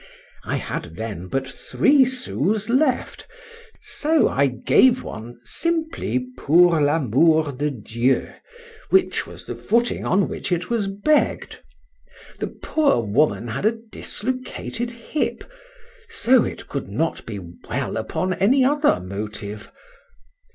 I had then but three sous left: so I gave one, simply, pour l'amour de Dieu, which was the footing on which it was begg'd.—The poor woman had a dislocated hip; so it could not be well upon any other motive.